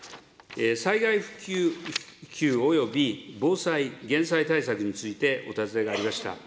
災害復旧および防災・減災対策についてお尋ねがありました。